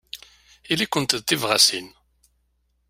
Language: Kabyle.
Ili-kent d tibɣasin.